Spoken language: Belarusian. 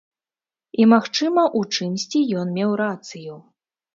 І, магчыма, у чымсьці ён меў рацыю.